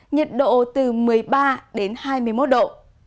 nhiệt độ từ một mươi ba đến hai mươi một độ